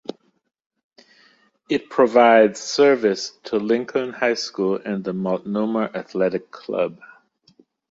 It provides service to Lincoln High School and the Multnomah Athletic Club.